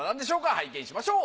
拝見しましょう。